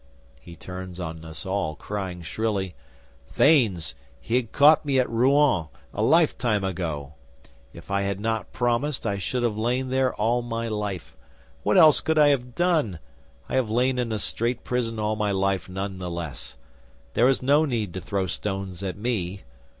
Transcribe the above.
He turns on us all crying, shrilly: "Thanes, he had caught me at Rouen a lifetime ago. If I had not promised, I should have lain there all my life. What else could I have done? I have lain in a strait prison all my life none the less. There is no need to throw stones at me."